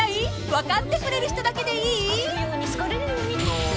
分かってくれる人だけでいい？］